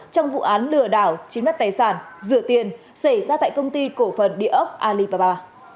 trong vụ án lừa đảo chiếm đất tài sản rửa tiền xảy ra tại công ty cổ phần địa ốc alibaba